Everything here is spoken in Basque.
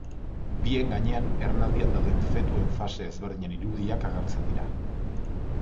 Bien gainean ernaldian dauden fetuen fase ezberdinen irudiak agertzen dira.